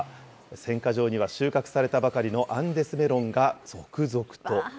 選果場には収穫されたばかりのアンデスメロンが続々と。